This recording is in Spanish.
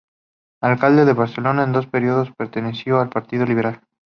Alcalde de Barcelona en dos períodos, perteneció al partido liberal.